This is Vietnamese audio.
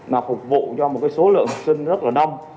mà phục vụ cho một số lượng học sinh rất là đông